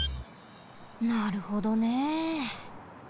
なるほどね。